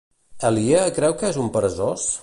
Ellie creu que és un peresós?